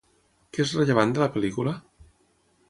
Què és rellevant de la pel·lícula?